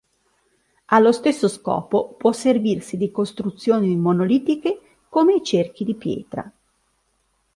Allo stesso scopo può servirsi di costruzioni monolitiche come i cerchi di pietra.